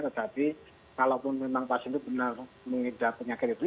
tetapi kalaupun memang pasien itu benar mengidap penyakit itu